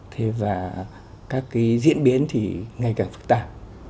thế và các cái diễn biến thì ngày càng phức tạp